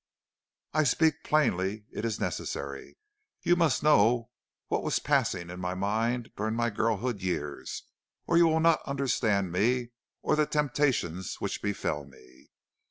"I speak plainly; it is necessary. You must know what was passing in my mind during my girlhood's years, or you will not understand me or the temptations which befell me.